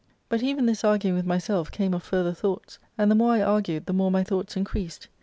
But even this arguing with myself came of further thoughts ; and the more I argued the more my thoughts increased.